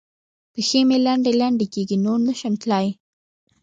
پښې مې لنډې لنډې کېږي؛ نور نه شم تلای.